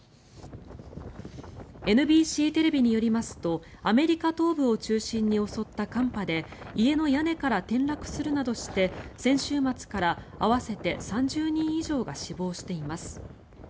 ＮＢＣテレビによりますとアメリカ東部を中心に襲った寒波で家の屋根から転落するなどして先週末から合わせて３０人以上が死亡しています。